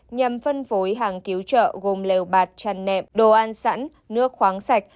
nhằm phân phối hàng cứu trợ gồm lều bạt chăn nệm đồ ăn sẵn nước khoáng sạch